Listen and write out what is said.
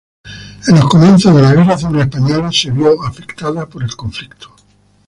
En los comienzos de la Guerra Civil Española se vio afectada por el conflicto.